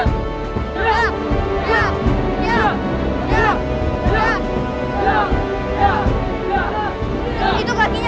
gurunya bukan meva tapi saya